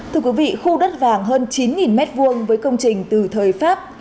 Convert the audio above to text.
thưa quý vị khu đất vàng hơn chín m hai với công trình từ thời pháp